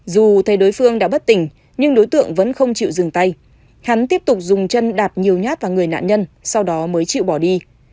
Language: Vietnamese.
dù thay đối phương đã bất tỉnh nhưng đối tượng vẫn không chịu dừng tay hắn tiếp tục dùng chân đạp nhiều nhát vào người nạn nhân sau đó mới chịu bỏ đi